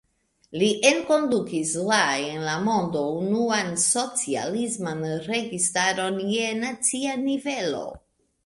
Li enkondukis la en la mondo unuan socialisman registaron je nacia nivelo.